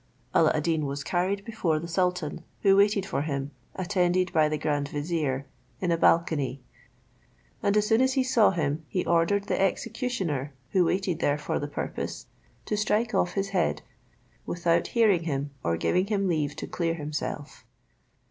Alla ad Deen was carried before the sultan, who waited for him, attended by the grand vizier, in a balcony; and as soon as he saw him, he ordered the executioner, who waited there for the purpose, to strike off his head without hearing him or giving him leave to clear himself.